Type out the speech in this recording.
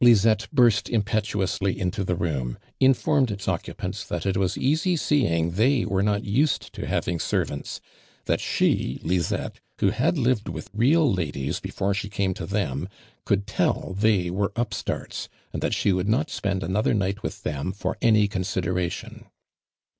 etto burst impetuously into the room, informed its occupants that it was easy seeing they were not used to having ser vants — that she, Lizette, who had lived with real ladies before she came to them, could tell they were upstarts, and that she would not spend another night with them for any consideration.